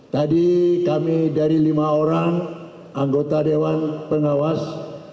tadi kami dari lima orang anggota dewan pengawas